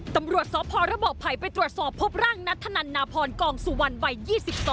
ตำรวจสพระบอกภัยไปตรวจสอบพบร่างนัทธนันนาพรกองสุวรรณวัย๒๒